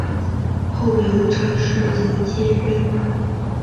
后由张世则接任。